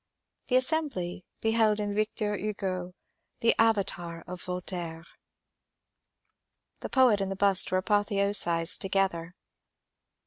The assembly beheld in Victor Hugo the avatar of Voltaire. The poet and the bust were apotheosized together.